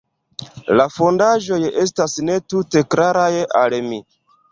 La fondaĵoj estas ne tute klaraj al mi.